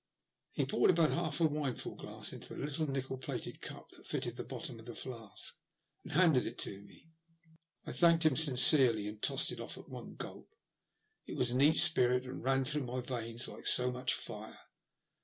He poured about half a wineglassful into the little nickel plated cup that fitted the bottom of the flask, and handed it to me. I thanked him sincerely, and tossed it off at one gulp. It was neat spirit, and ran through my veins like so much fire.